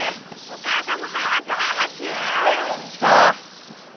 お母さんも早く早く！